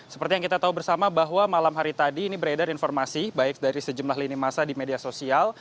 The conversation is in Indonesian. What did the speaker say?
seperti yang kita tahu bersama bahwa malam hari tadi ini beredar informasi baik dari sejumlah lini masa di media sosial